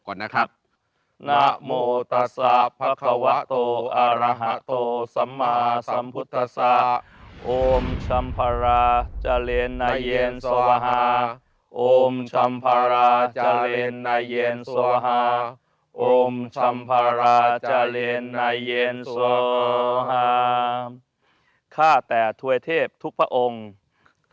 ที่ตะวันตกก่อนนะครับ